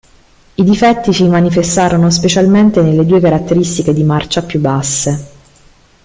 I difetti si manifestarono specialmente nelle due caratteristiche di marcia più basse.